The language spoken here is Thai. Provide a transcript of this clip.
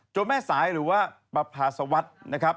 โจแม่สายหรือว่าปราภาสวัตรนะครับ